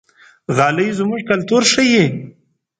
غالۍ زموږ کلتور ښيي.